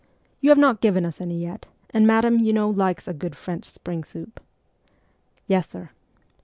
You have not given us any yet, and madam, you know, likes a good French spring soup.' ' Yes, sir.'